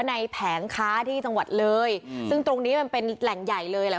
แผงค้าที่จังหวัดเลยซึ่งตรงนี้มันเป็นแหล่งใหญ่เลยแหละ